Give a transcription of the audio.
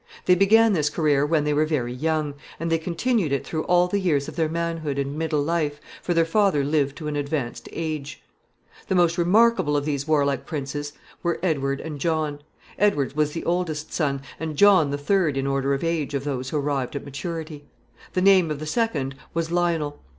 They began this career when they were very young, and they continued it through all the years of their manhood and middle life, for their father lived to an advanced age. [Sidenote: The Black Prince.] The most remarkable of these warlike princes were Edward and John. Edward was the oldest son, and John the third in order of age of those who arrived at maturity. The name of the second was Lionel.